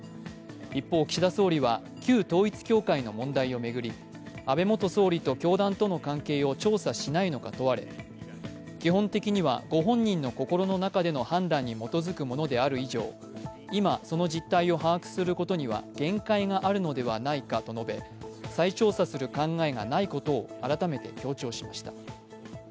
一方、岸田総理は旧統一教会の問題を巡り安倍元総理と教団との関係を調査しないのか問われ基本的にはご本人の心の中での判断に基づくものである以上、今、その実態を把握することには限界があるのではないかと述べ再調査する考えがないことを改めて強調しました。